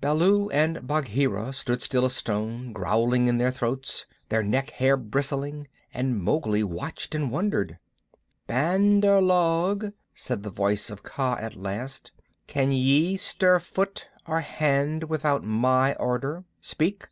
Baloo and Bagheera stood still as stone, growling in their throats, their neck hair bristling, and Mowgli watched and wondered. "Bandar log," said the voice of Kaa at last, "can ye stir foot or hand without my order? Speak!"